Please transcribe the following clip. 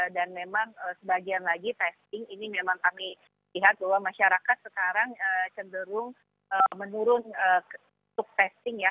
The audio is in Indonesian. dan memang sebagian lagi testing ini memang kami lihat bahwa masyarakat sekarang cenderung menurun untuk testing ya